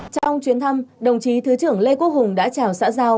trong chuyến thăm đồng chí thứ trưởng lê quốc hùng đã chào xã giao